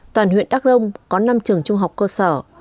toàn huyện đắk rông có năm trường trung học cơ sở